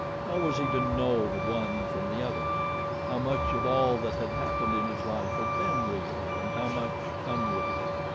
How was he to know the one from the other? How much of all that had happened in his life had been real and how much unreal?